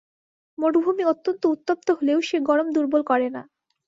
মরুভূমি অত্যন্ত উত্তপ্ত হলেও সে গরম দুর্বল করে না।